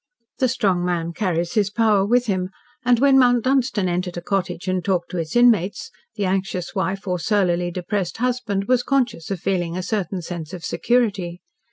The strong man carries his power with him, and, when Mount Dunstan entered a cottage and talked to its inmates, the anxious wife or surlily depressed husband was conscious of feeling a certain sense of security.